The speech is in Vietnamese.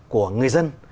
của người dân